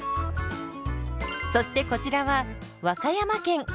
そしてこちらは和歌山県。